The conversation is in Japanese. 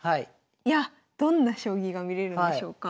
いやどんな将棋が見れるんでしょうか。